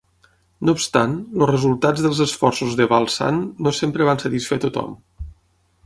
No obstant, els resultats dels esforços de Balsan no sempre van satisfer tothom.